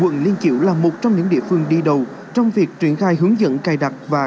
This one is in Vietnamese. quận liên triệu là một trong những địa phương đi đầu trong việc triển khai hướng dẫn cài đặt và